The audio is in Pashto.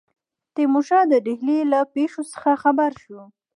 تیمورشاه د ډهلي له پیښو څخه خبر شو.